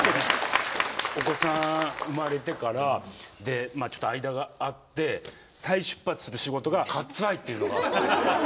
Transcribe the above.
お子さん生まれてからちょっと間があって再出発する仕事が「カッツ・アイ」っていうのが。